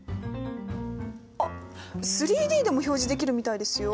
あっ３Ｄでも表示できるみたいですよ。